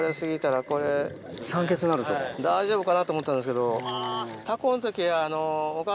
大丈夫かなと思ったんですけど。